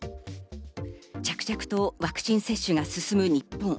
着々とワクチン接種が進む日本。